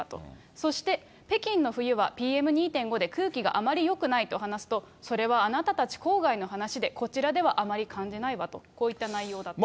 そして、北京の冬はＰＭ２．５で空気があまりよくないと話すと、それはあなたたち郊外の話で、こちらではあまり感じないわと、こういった内容だったと。